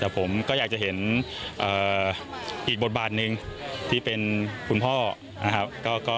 แต่ผมก็อยากจะเห็นอีกบทบาทหนึ่งที่เป็นคุณพ่อนะครับ